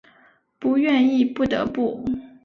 不愿意不得不